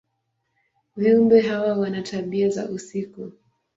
Viumbe hawa wana tabia za usiku.